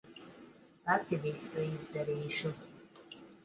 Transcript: Pati visu izdarīšu.